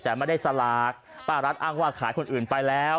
แต่ไม่ได้สลากป้ารัฐอ้างว่าขายคนอื่นไปแล้ว